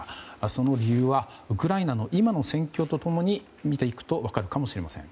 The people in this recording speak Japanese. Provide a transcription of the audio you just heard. その理由はウクライナの今の戦況と共に見ていくと分かるかもしれません。